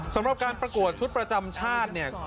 สำหรับการประกวดชุดประจำชาติเนี่ย